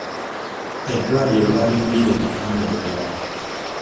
Eddwaliro baaligulira ebitanda ebirala.